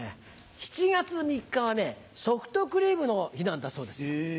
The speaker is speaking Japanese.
７月３日はねソフトクリームの日なんだそうです。